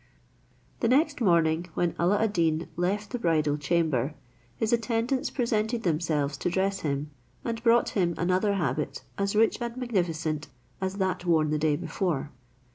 The next morning when Alla ad Deen left the bridal chamber, his attendants presented themselves to dress him, and brought him another habit as rich and magnificent as that worn the day before.